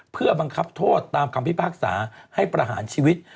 เพื่อบังคับโทษตามคำพิพากษาให้ประหารชีวิต